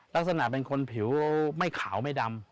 ลักษณะเป็นคนผิวไม่ขาวไม่ดำ